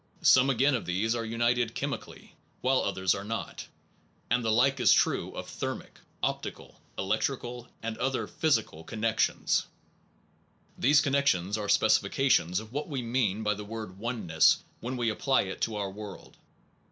Some again oneness o f ^hese are un ited chemically, while others are not; and the like is true of thermic, optical, electrical, and other physical connec tions. These connections are specifications of what we mean by the word oneness when we apply it to our world.